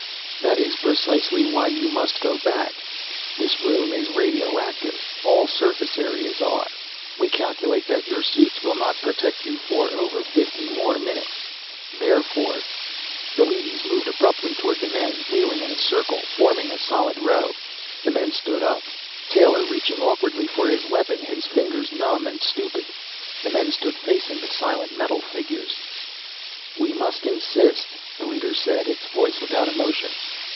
"That is precisely why you must go back. This room is radioactive; all surface areas are. We calculate that your suits will not protect you for over fifty more minutes. Therefore " The leadys moved abruptly toward the men, wheeling in a circle, forming a solid row. The men stood up, Taylor reaching awkwardly for his weapon, his fingers numb and stupid. The men stood facing the silent metal figures. "We must insist," the leader said, its voice without emotion.